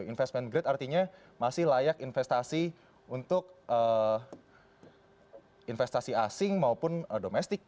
investment grade artinya masih layak investasi untuk investasi asing maupun domestik